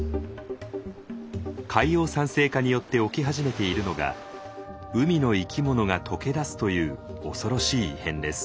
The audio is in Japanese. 海洋酸性化によって起き始めているのが海の生き物が溶けだすという恐ろしい異変です。